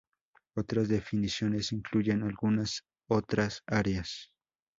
Otras definiciones incluyen algunas otras áreas.